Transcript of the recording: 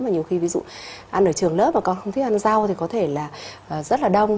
mà nhiều khi ví dụ ăn ở trường lớp và con không thích ăn rau thì có thể là rất là đông